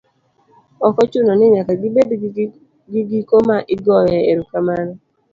Ok ochuno ni nyaka gibed gigiko ma igoyoe erokamano